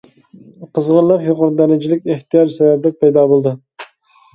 قىزغىنلىق يۇقىرى دەرىجىلىك ئېھتىياج سەۋەبلىك پەيدا بولىدۇ.